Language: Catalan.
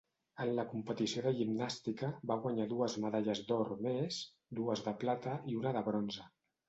En la competició de gimnàstica, va guanyar dues medalles d'or més, dues de plata i una de bronze.